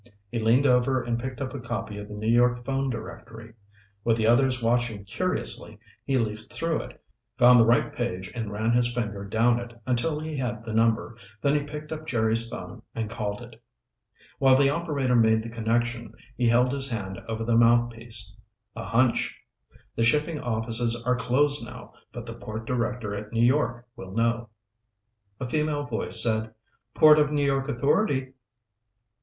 He leaned over and picked up a copy of the New York phone directory. With the others watching curiously, he leafed through it, found the right page and ran his finger down it until he had the number, then he picked up Jerry's phone and called it. While the operator made the connection, he held his hand over the mouthpiece. "A hunch. The shipping offices are closed now, but the Port Director at New York will know." A female voice said, "Port of New York Authority."